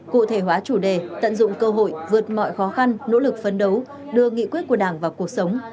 cụ thể hóa chủ đề tận dụng cơ hội vượt mọi khó khăn nỗ lực phấn đấu đưa nghị quyết của đảng vào cuộc sống